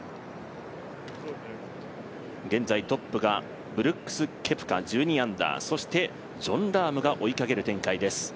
現在、トップがブルックス・ケプカ１２アンダーそしてジョン・ラームが追いかける展開です。